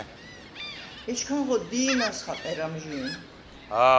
ეჩქანღო დი̄ნას ხაყერ ამჟი̄ნ.